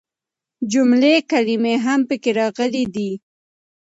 جملې ،کلمې هم پکې راغلي دي.